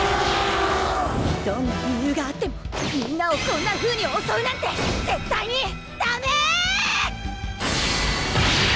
どんな理由があってもみんなをこんなふうに襲うなんて絶対にダメ！